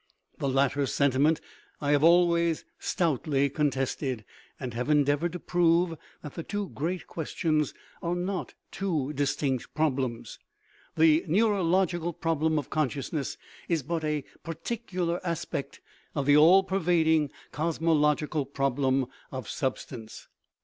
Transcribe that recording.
The latter sentiment I have always stoutly contested, and have endeavored to prove that the two great ques tions are not two distinct problems. " The neuro logical problem of consciousness is but a particular aspect of the all pervading cosmological problem of substance."